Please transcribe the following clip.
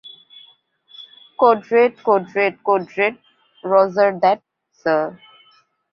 Code red code red code red, roger that, sir.